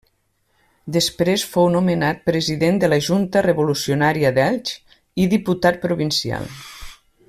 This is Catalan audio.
Després fou nomenat president de la Junta Revolucionària d'Elx i diputat provincial.